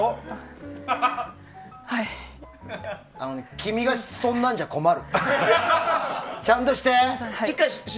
君がそんなんじゃ困る。